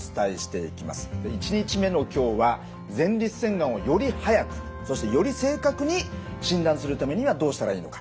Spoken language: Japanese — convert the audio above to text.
１日目の今日は前立腺がんをより早くそしてより正確に診断するためにはどうしたらいいのか。